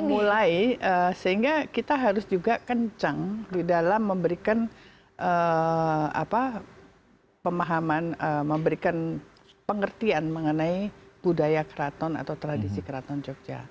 ini mulai sehingga kita harus juga kencang di dalam memberikan pemahaman memberikan pengertian mengenai budaya keraton atau tradisi keraton jogja